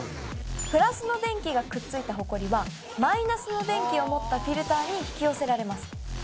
プラスの電気がくっついたホコリはマイナスの電気を持ったフィルターに引き寄せられます。